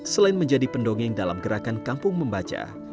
selain menjadi pendongeng dalam gerakan kampung membaca